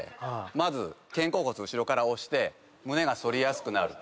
まず肩甲骨後ろから押して胸が反りやすくなる。